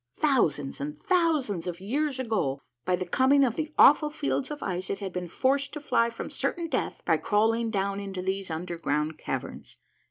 Thousands and thousands of years ago, by the coming of the awful fields of ice, it had been forced to fly from certain death by crawling down into these under ground caverns.